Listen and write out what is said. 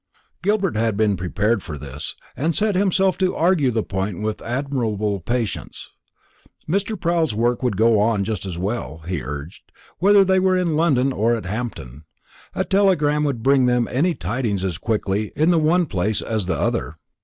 Gilbert had been prepared for this, and set himself to argue the point with admirable patience. Mr. Proul's work would go on just as well, he urged, whether they were in London or at Hampton. A telegram would bring them any tidings as quickly in the one place as the other.